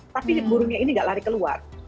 tapi burungnya ini gak lari keluar